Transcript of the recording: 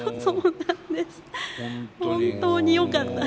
本当によかった。